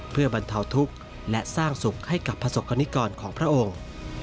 เพื่อบรรเทาทุกข์และสร้างสุขให้กับประสบกรณิกรของพระองค์